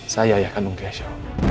saya ayah kandung keisha